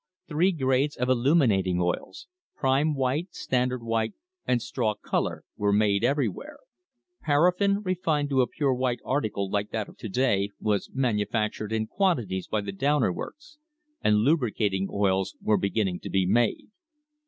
Three grades of illuminating oils — "prime white," "standard white," and "straw colour" — were made everywhere; paraffine, refined to a pure white article like that of to day, was manufactured in quantities by the Downer works; and lubricating oils were beginning to be made.